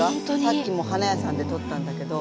さっきも花屋さんで撮ったんだけど。